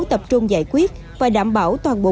tập trung giải quyết và đảm bảo toàn bộ